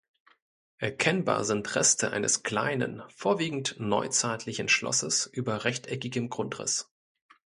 Erkennbar sind Reste eines kleinen, vorwiegend neuzeitlichen Schlosses über rechteckigem Grundriss.